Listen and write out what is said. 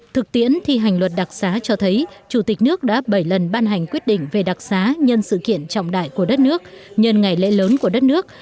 thực tiễn thi hành luật đặc xá cho thấy chủ tịch nước đã bảy lần ban hành quyết định về đặc xá nhân sự kiện trọng đại của đất nước nhân ngày lễ lớn của đất nước